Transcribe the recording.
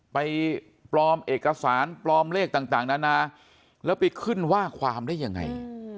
ไปปลอมเอกสารปลอมเลขต่างนานาแล้วไปขึ้นว่าความได้ยังไง